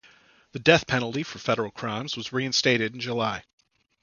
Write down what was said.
The death penalty for federal crimes was reinstated in July.